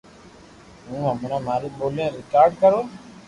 ھو ھمڙي ماري ڀولي ني ريڪارڌ ڪرو